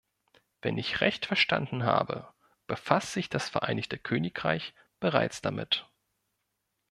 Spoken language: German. Wenn ich recht verstanden habe, befasst sich das Vereinigte Königreich bereits damit.